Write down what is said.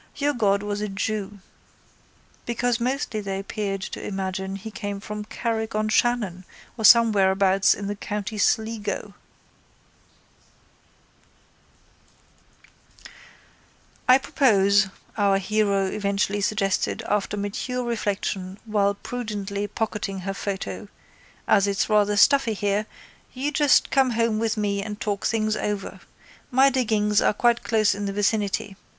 Your god was a jew. Because mostly they appeared to imagine he came from Carrick on Shannon or somewhereabouts in the county Sligo. —I propose, our hero eventually suggested after mature reflection while prudently pocketing her photo, as it's rather stuffy here you just come home with me and talk things over. My diggings are quite close in the vicinity.